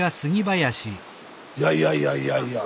いやいやいやいやいや。